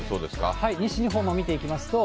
西日本も見ていきますと。